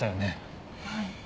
はい。